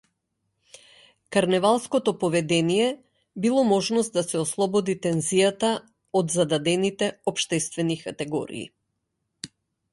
Карневалското поведение било можност да се ослободи тензијата од зададените општествени категории.